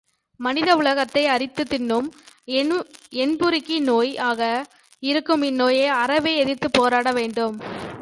மனித உலகத்தை அரித்துத் தின்னும் என்புருக்கி நோய் ஆக இருக்கும் இந்நோயை அறவே எதிர்த்துப் போராடவேண்டும்.